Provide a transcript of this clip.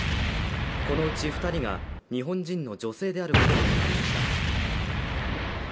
このうち２人が日本人の女性であることが分かりました。